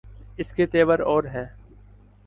اس کے تیور اور ہیں۔